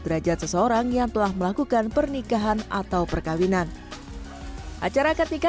derajat seseorang yang telah melakukan pernikahan atau perkawinan acara ketika